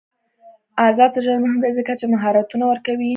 آزاد تجارت مهم دی ځکه چې مهارتونه ورکوي.